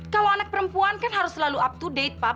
kalau anak perempuan kan harus selalu up to date pak